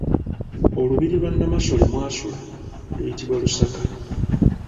Olubiri lwa Namasole mwasula luyitibwa Lusaka.